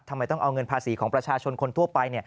ทำไมต้องเอาเงินภาษีของประชาชนคนทั่วไป